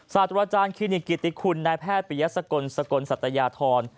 ศาสตราจารย์คลินิกกิติคุณนายแพทย์ปริยสกลสกลสัตยาธร